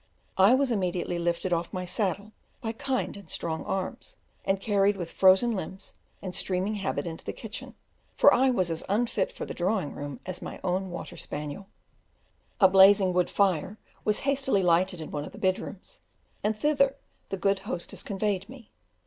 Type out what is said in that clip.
I was immediately lifted off my saddle by kind and strong arms, and carried with frozen limbs and streaming habit into the kitchen, for I was as unfit for the drawing room as my own water spaniel. A blazing wood fire was hastily lighted in one of the bed rooms, and thither the good hostess conveyed me.